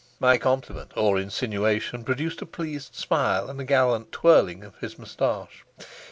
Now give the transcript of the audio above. My compliment, or insinuation, produced a pleased smile and a gallant twirling of his moustache.